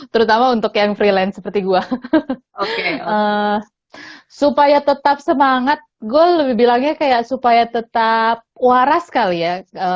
terutama untuk yang freelance seperti gue supaya tetap semangat gue lebih bilangnya kayak supaya tetap waras sekali ya